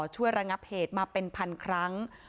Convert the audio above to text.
ระงับเหตุมาเป็นพันครั้ง